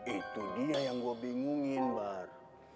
itu dia yang gue bingungin bar